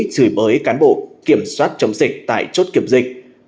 chửi bới cán bộ kiểm soát chống dịch tại chốt kiểm dịch